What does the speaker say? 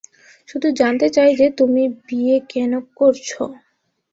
শুধু জানতে চাই যে, তুমি বিয়ে কেন করছো?